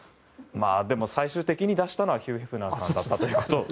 でも最終的に出したのはヒュー・ヘフナーさんだったと。